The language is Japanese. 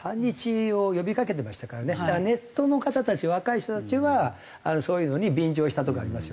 だからネットの方たち若い人たちはそういうのに便乗したとこありますよね。